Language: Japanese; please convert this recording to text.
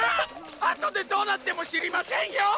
あとでどうなっても知りませんよ！